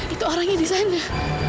itu orangnya di sana